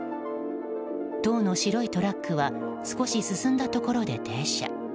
当の白いトラックは少し進んだところで停車。